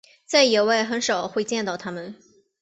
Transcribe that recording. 在野外很少会见到它们。